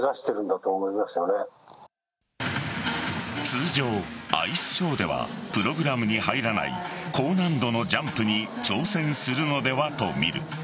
通常、アイスショーではプログラムに入らない高難度のジャンプに挑戦するのではと見る。